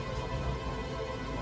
kasian tahu keatna